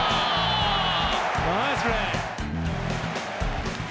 ナイスプレー！